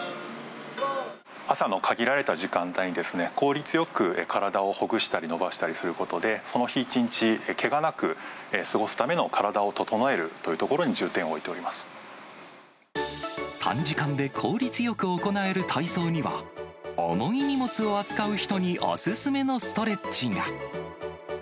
朝のかぎられた時間帯に効率よく体をほぐしたり伸ばしたりすることで、その日一日、けがなく過ごすための体をととのえるというところに重点を置いて短時間で効率よく行える体操には、重い荷物を扱う人にお勧めのストレッチが。